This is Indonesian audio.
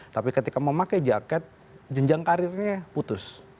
tapi ketika mau pakai jaket jenjang karirnya putus